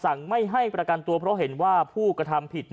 ไม่ให้ประกันตัวเพราะเห็นว่าผู้กระทำผิด